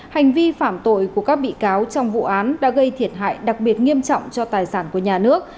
hành vi phạm tội của các bị cáo trong vụ án đã gây thiệt hại đặc biệt nghiêm trọng cho tài sản của nhà nước